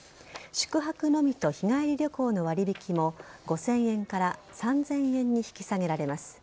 宿泊のみと日帰り旅行の割引も５０００円から３０００円に引き下げられます。